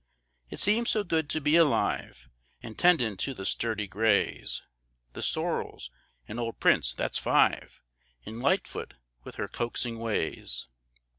It seems so good to be alive, An' tendin' to the sturdy grays, The sorrels, and old Prince, that's five An' Lightfoot with her coaxing ways.